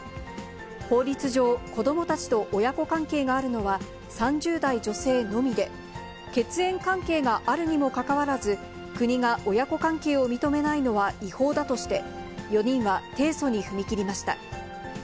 法律上、子どもたちと親子関係があるのは３０代女性のみで、血縁関係があるにもかかわらず、国が親子関係を認めないのは違法だとして、４人は提訴に踏み切りました。